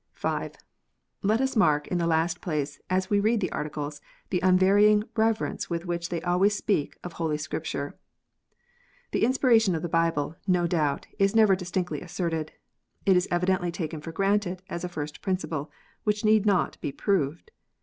(5) Let us mark, in the last place, as we read the Articles, the unvarying reverence with which they always speak of Holy Scripture. The inspiration of the Bible, no doubt, is never distinctly asserted. It is evidently taken for granted as a first principle, which need not be proved.